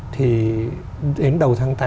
thì đến đầu tháng tám